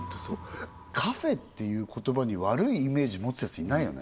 カフェっていう言葉に悪いイメージ持つやついないよね